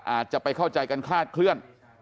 อาจจะไปเข้าใจกันคลาดเคลื่อน